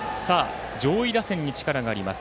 上打線に力があります